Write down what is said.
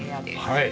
はい。